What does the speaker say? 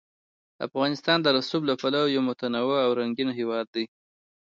افغانستان د رسوب له پلوه یو متنوع او رنګین هېواد دی.